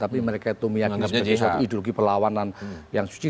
tapi mereka itu meyakinkan itu ideologi perlawanan yang suci